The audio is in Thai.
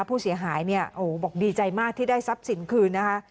ผู้เสียหายเนี่ยโอ้โหบอกดีใจมากที่ได้ทรัพย์สินคืนนะคะ